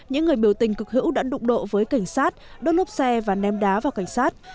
những người biểu tình cực hữu đã đụng độ với cảnh sát đốt lốp xe và ném đá vào cảnh sát